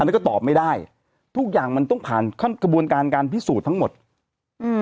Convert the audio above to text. อันนี้ก็ตอบไม่ได้ทุกอย่างมันต้องผ่านขั้นกระบวนการการพิสูจน์ทั้งหมดอืม